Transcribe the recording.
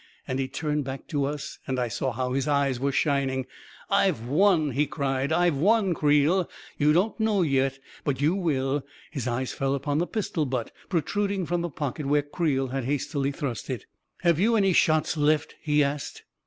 and he turned back to us, and I saw how his eyes were shining. " I've won!" he cried. "I've won, Creel! You don't know yet — but you will ..." His eyes fell upon the pistol butt protruding from the pocket where Creel had hastily thrust it. " Have you any shots left? " he asked.